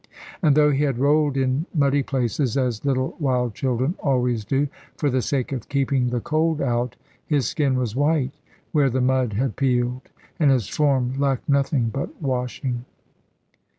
And though he had rolled in muddy places, as little wild children always do, for the sake of keeping the cold out, his skin was white, where the mud had peeled, and his form lacked nothing but washing.